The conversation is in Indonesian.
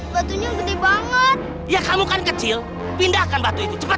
batunya gede banget ya kalau kan kecil pindahkan batu itu cepat